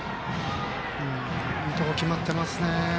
いいところ決まっていますね。